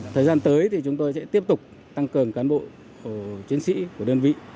thời gian tới thì chúng tôi sẽ tiếp tục tăng cường cán bộ chiến sĩ của đơn vị